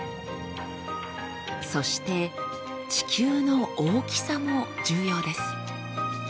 そして地球の大きさも重要です。